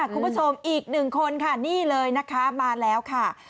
คุณผู้ชมอีกหนึ่งคนค่ะนี่เลยนะคะมาแล้วค่ะ